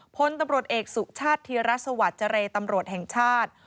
พลตำรวจเอกสุชาติธีรสวัสดิ์เจรตำรวจแห่งชาติ